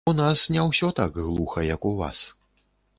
У нас не ўсё так глуха, як у вас.